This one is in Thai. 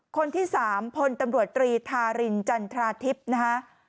คนที่สามพลตำรวจรีธารินจันทราทิพย์